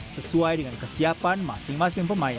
sesuai dengan kesiapan masing masing pemain